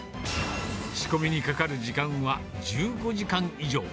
仕込みにかかる時間は１５時間以上。